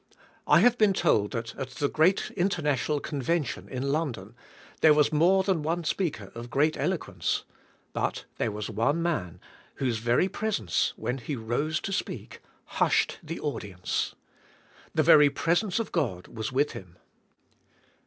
I have been told that at the great International Con vention in London there was more than one speaker of great eloquence, but there was one man, whose ver}^ presence, when he rose to speak, hushed the audience. The very presence of God was with him.